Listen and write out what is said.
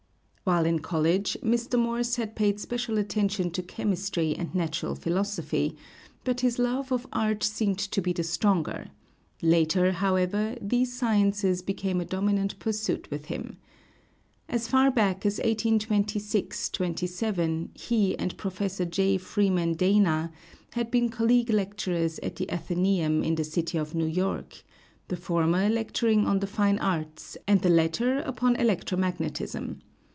While in college Mr. Morse had paid special attention to chemistry and natural philosophy; but his love of art seemed to be the stronger; later, however, these sciences became a dominant pursuit with him. As far back as 1826 '7, he and Prof. J. Freeman Dana had been colleague lecturers at the Athenæum in the City of New York, the former lecturing on the fine arts, and the latter upon electro magnetism.